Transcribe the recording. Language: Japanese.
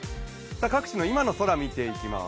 各地の今の空を見ていきます。